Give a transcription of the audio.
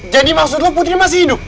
jadi maksud lo putri masih hidup